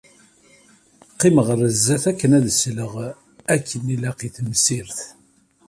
Qqimeɣ ɣer zdat akken ad sleɣ akken ilaq i temsirt.